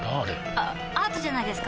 あアートじゃないですか？